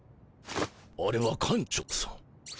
あれは館長さん。